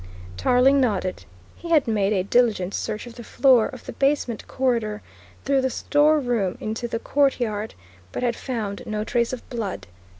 Tarling nodded. He had made a diligent search of the floor of the basement corridor through the store room into the courtyard, but had found no trace of blood.